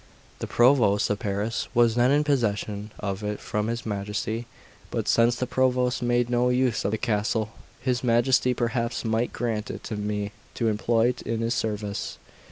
The Provost of Paris was then in possession of it from his Majesty; but since the Provost made no use of the castle, his Majesty perhaps might grant it me to employ in his service.